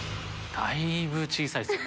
だいぶ小さいですよね。